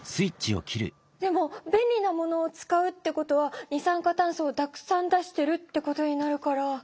でも便利なものを使うってことは二酸化炭素をたくさん出してるってことになるから。